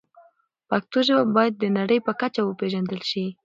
پښتو ژبه باید د نړۍ په کچه وپیژندل شي.